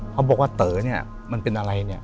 เขาบอกว่าเต๋อมันเป็นอะไร